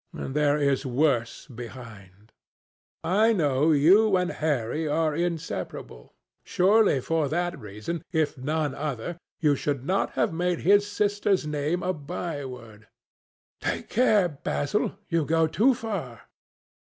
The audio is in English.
And there is worse behind. I know you and Harry are inseparable. Surely for that reason, if for none other, you should not have made his sister's name a by word." "Take care, Basil. You go too far."